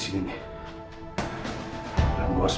siapa pengen mu yer gini